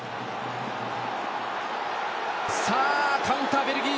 さあカウンター、ベルギー。